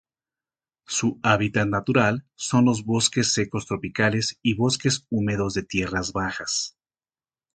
Su hábitat natural son los bosques secos tropicales y bosques húmedos de tierras bajas.